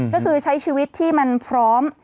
ก็คือใช้ชีวิตที่มันพร้อม